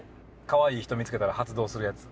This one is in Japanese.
可愛い人見付けたら発動するやつ。